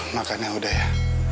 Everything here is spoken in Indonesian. makanya udah ya